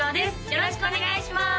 よろしくお願いします